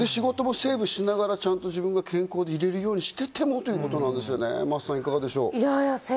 で、仕事もセーブしながら、ちゃんと自分の健康でいられるようにしてもということなんですね、真麻さん。